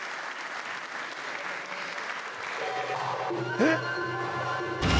えっ？